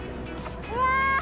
うわ！